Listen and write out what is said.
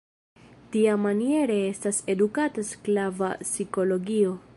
Tiamaniere estas edukata sklava psikologio.